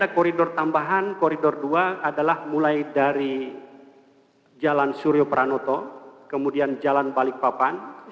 koridor tiga adalah mulai dari jalan suryo pranoto kemudian jalan balikpapan